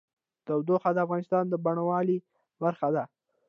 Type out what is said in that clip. تودوخه د افغانستان د بڼوالۍ برخه ده.